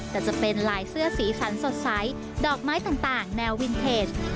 แต่จะเป็นลายเสื้อสีสันสดใสดอกไม้ต่างแนววินเทจ